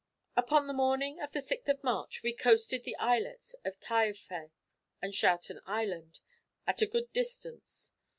"Upon the morning of the 6th of March we coasted the islets of Taillefer and Schouten Island, at a good distance.